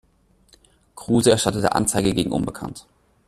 Kruse erstattete Anzeige gegen unbekannt.